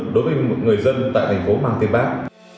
đối với người dân tại thành phố mạng tiên bác